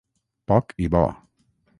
Poc i bo.